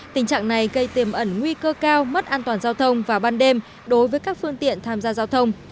tình trạng này gây tiềm ẩn nguy cơ cao mất an toàn giao thông vào ban đêm đối với các phương tiện tham gia giao thông